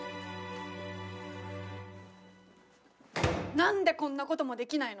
何でこんなこともできないの？